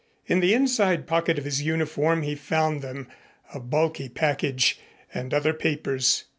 In the inside pocket of his uniform he found them, a bulky package, and other papers.